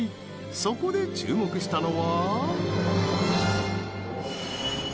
そこで注目したのは。